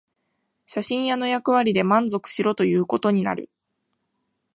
写真屋の役割で満足しろということになる